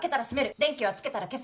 電気はつけたら消す。